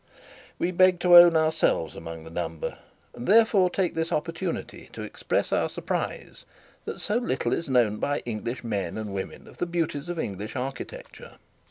We beg to own ourselves among the number, and therefore take this opportunity to express our surprise that so little is known by English men and women of the beauties of English architecture.